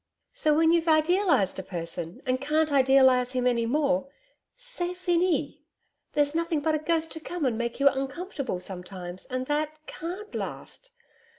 So, when you've idealised a person and can't idealise him any more: C'EST FINI. There's nothing but a ghost to come and make you uncomfortable sometimes and that CAN'T last....